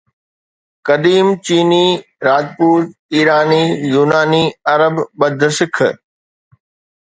قديم چيني، راجپوت، ايراني، يوناني، عرب، ٻڌ، سک،